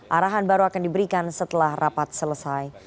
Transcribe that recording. arahan baru akan diberikan setelah rapat selesai